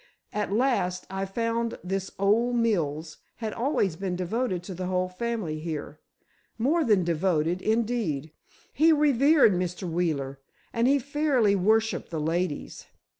At last, I found this old Mills had always been devoted to the whole family here. More than devoted, indeed. He revered Mr. Wheeler and he fairly worshipped the ladies.